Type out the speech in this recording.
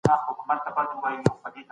د يتيمانو په مالونو کي خيانت مه کوئ.